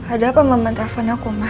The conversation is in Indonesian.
ada apa mama telepon aku ma